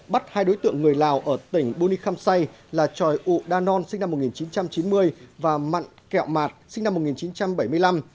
bắt hai đối tượng người lào ở tỉnh bôny khăm say là tròi ụ đa non sinh năm một nghìn chín trăm chín mươi và mặn kẹo mạt sinh năm một nghìn chín trăm bảy mươi năm